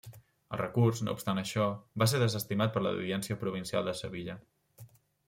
El recurs, no obstant això, va ser desestimat per l'Audiència Provincial de Sevilla.